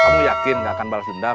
kamu yakin gak akan balas hindar